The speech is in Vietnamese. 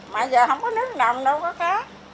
mà giờ không có nước nồng đâu có cá